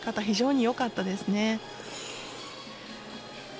非常によかったですね。